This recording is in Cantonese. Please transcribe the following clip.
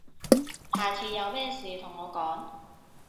下次有咩事同我講